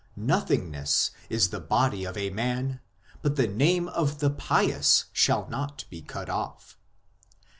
... Nothingness is the body of a man, but the name of the pious shall not be cut off.